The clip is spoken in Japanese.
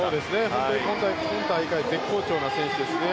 本当に今大会絶好調な選手ですね。